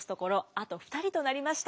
あと２人となりました。